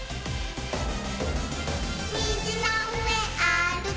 「みずのうえあるく」